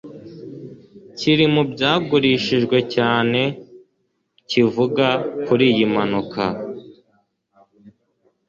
kiri mu byagurishijwe cyane kivuga kuri iyi mpanuka